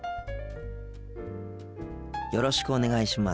よろしくお願いします。